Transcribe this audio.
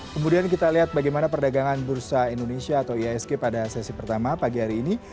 kemudian kita lihat bagaimana perdagangan bursa indonesia atau iasg pada sesi pertama pagi hari ini